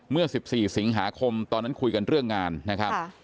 เมื่อ๑๔สิงหาคมตอนนั้นคุยกันเรื่องงานนะครับ